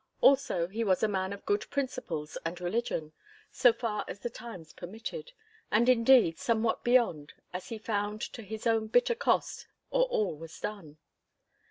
Also he was a man of good principles and religion, so far as the times permitted, and indeed somewhat beyond, as he found to his own bitter cost or all was done.